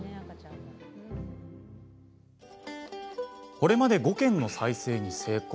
これまで５軒の再生に成功。